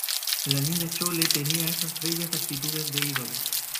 y la Niña Chole tenía esas bellas actitudes de ídolo